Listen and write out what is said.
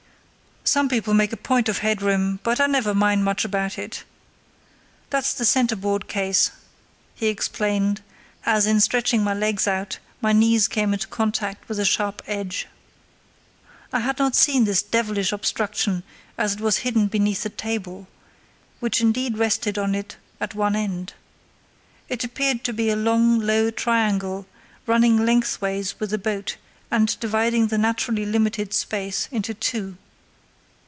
"Some people make a point of head room, but I never mind much about it. That's the centreboard case," he explained, as, in stretching my legs out, my knee came into contact with a sharp edge. I had not seen this devilish obstruction, as it was hidden beneath the table, which indeed rested on it at one end. It appeared to be a long, low triangle, running lengthways with the boat and dividing the naturally limited space into two.